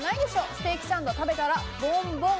ステーキサンド食べたからポン！